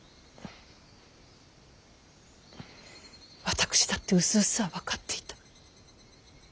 私だってうすうすは分かっていた。